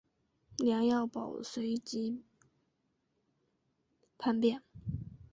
梁耀宝随即叛变。